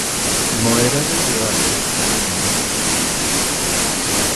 Moderar el debate, pero no excesivamente.